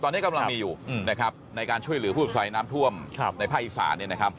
ตอนนี้กำลังมีอยู่ในการช่วยเหลือผู้ใช้น้ำท่วมในภาคอีสาน